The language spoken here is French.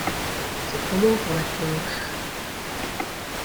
C’est trop long pour la pioche !